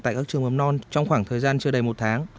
tại các trường mầm non trong khoảng thời gian chưa đầy một tháng